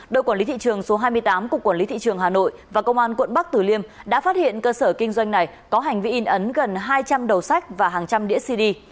đội quản lý thị trường số hai mươi tám cục quản lý thị trường hà nội và công an quận bắc tử liêm đã phát hiện cơ sở kinh doanh này có hành vi in ấn gần hai trăm linh đầu sách và hàng trăm đĩa cd